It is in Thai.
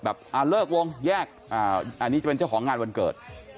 เลิกวงแยกอันนี้จะเป็นเจ้าของงานวันเกิด